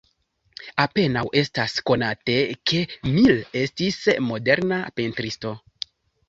Apenaŭ estas konate, ke Miles estis moderna pentristo.